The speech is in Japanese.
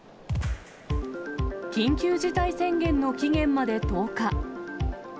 緊急事態宣言の期限まで１０日。